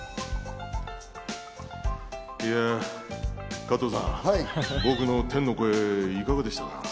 いや、加藤さん、僕の天の声、いかがでしたか？